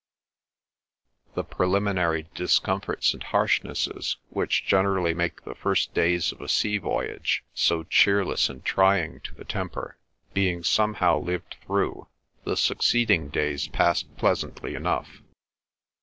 The preliminary discomforts and harshnesses, which generally make the first days of a sea voyage so cheerless and trying to the temper, being somehow lived through, the succeeding days passed pleasantly enough.